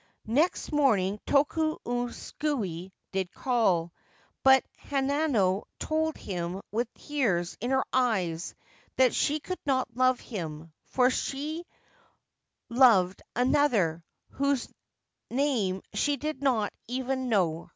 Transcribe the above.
Next morning ToktlhoSukcT did calT"p~i)uL I lanano^told him with tears in her eyes that she could not love him, for she loved another, whose name she did not even know herself.